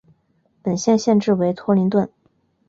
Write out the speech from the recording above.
本县县治为托灵顿。